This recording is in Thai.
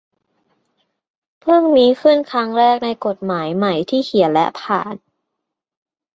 เพิ่งมีขึ้นครั้งแรกในกฎหมายใหม่ ที่เขียนและผ่าน